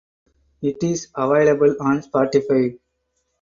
It is available on Spotify.